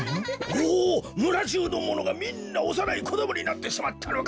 おおむらじゅうのものがみんなおさないこどもになってしまったのか？